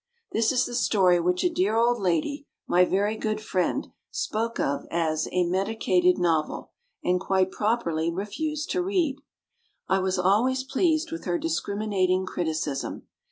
This is the story which a dear old lady, my very good friend, spoke of as "a medicated novel," and quite properly refused to read. I was always pleased with her discriminating criticism.